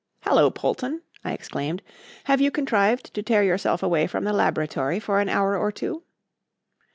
"Hallo, Polton!" I exclaimed, "have you contrived to tear yourself away from the laboratory for an hour or two?"